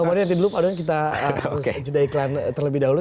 coba kita lihat dulu pak john kita harus jeda iklan terlebih dahulu